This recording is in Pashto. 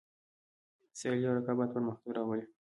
سیالي او رقابت پرمختګ راولي.